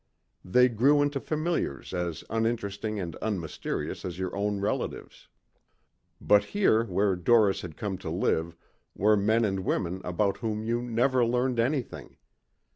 They grew into familiars as uninteresting and unmysterious as your own relatives. But here where Doris had come to live were men and women about whom you never learned anything.